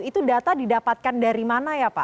itu data didapatkan dari mana ya pak